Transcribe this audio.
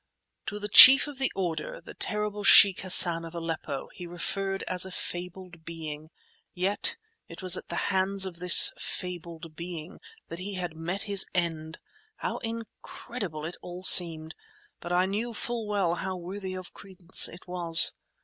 To the Chief of the Order, the terrible Sheikh Hassan of Aleppo, he referred as a "fabled being"; yet it was at the hands of this "fabled being" that he had met his end! How incredible it all seemed. But I knew full well how worthy of credence it was.